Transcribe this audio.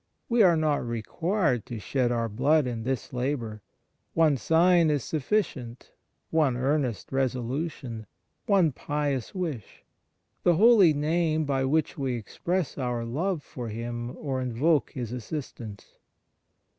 We are not required to shed our blood in this labour. One sign is sufficient, one earnest resolution, one pious wish ; the holy Name by which we express our love for Him or invoke His assistance.